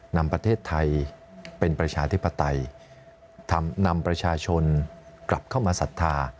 นำประเทศไทยเป็นประชาธิปไตยนำประชาชนกลับเข้ามาศรัทธา